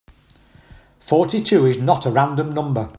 Forty-two is not a random number.